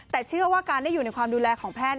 แต่เชื่อว่าการได้อยู่ในความดูแลของแพทย์